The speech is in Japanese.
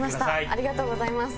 ありがとうございます。